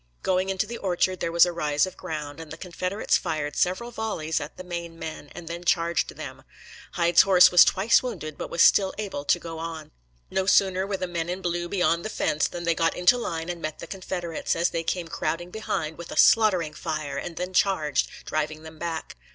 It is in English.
Going into the orchard there was a rise of ground, and the Confederates fired several volleys at the Maine men, and then charged them. Hyde's horse was twice wounded, but was still able to go on. No sooner were the men in blue beyond the fence than they got into line and met the Confederates, as they came crowding behind, with a slaughtering fire, and then charged, driving them back.